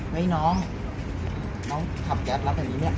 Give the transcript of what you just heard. เฮ้ยน้องน้องขับแก๊ปแล้วแบบนี้มั้ย